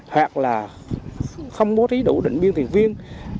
hoặc là không có thí đủ định biên thiện viên